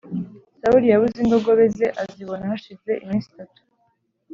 sawuli yabuze indogobe ze azibona hashije iminsi itatu